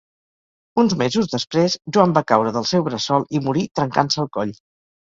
Uns mesos després, Joan va caure del seu bressol i morí trencant-se el coll.